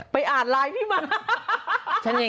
ไปอัดไลน์พี่มา